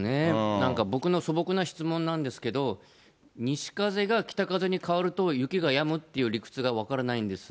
なんか僕の素朴な質問なんですけど、西風が北風に変わると、雪がやむっていう理屈が分からないんです。